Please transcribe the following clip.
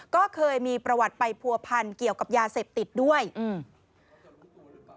ก็เคยมีประวัติไปผัวพันเกี่ยวกับยาเสพติดด้วยอืม